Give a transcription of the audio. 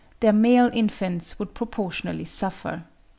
their male infants would proportionably suffer.